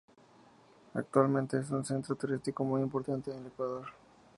Actualmente es un centro turístico muy importante en Ecuador.